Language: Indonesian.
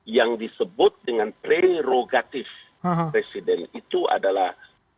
yang disebut dengan prerogatif presiden itu adalah